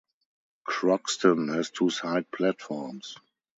Croxton has two side platforms.